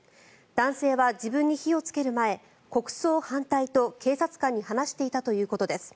男性は自分に火をつける前国葬反対と警察官に話していたということです。